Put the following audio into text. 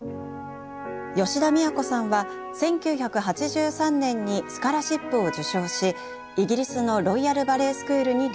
吉田都さんは１９８３年にスカラシップを受賞しイギリスのロイヤル・バレエスクールに留学。